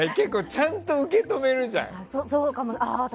ちゃんと受け止めるじゃん。